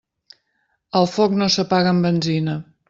El foc no s'apaga amb benzina.